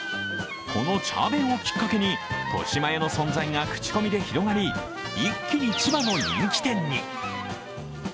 このチャー弁をきっかけに、としまやの存在が口コミで広がり、一気に千葉の人気店に。